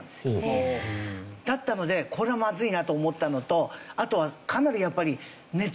だったのでこれはまずいなと思ったのとあとはかなりやっぱり。